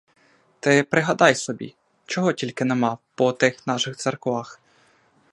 Ти пригадай собі — чого тільки нема по отих наших церквах!